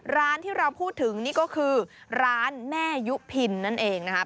ร้านที่เราพูดถึงนี่ก็คือร้านแม่ยุพินนั่นเองนะครับ